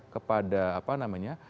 kepada apa namanya